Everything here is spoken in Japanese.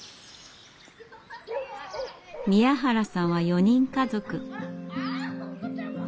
宮原さんは４人家族。